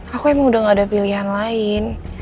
aku emang udah gak ada pilihan lain